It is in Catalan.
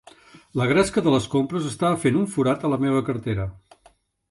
La gresca de les compres estava fent un forat a la meva cartera.